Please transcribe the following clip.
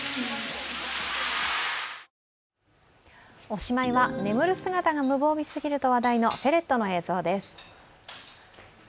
おしまいは、眠る姿が無防備すぎると話題のフェレットの映像です。